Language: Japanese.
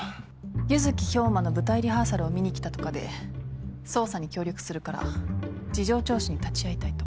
弓月兵馬の舞台リハーサルを見に来たとかで捜査に協力するから事情聴取に立ち会いたいと。